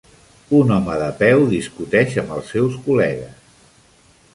Un home de peu discuteix amb els seus col·legues.